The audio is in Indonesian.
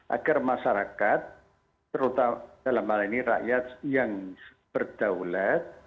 agar masyarakat terutama dalam hal ini rakyat yang berdaulat